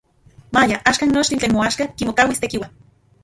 Maya axkan nochi tlen moaxka kimokauis Tekiua.